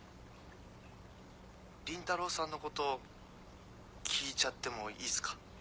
倫太郎さんのこと聞いちゃってもいいっすか？